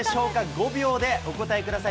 ５秒でお答えください。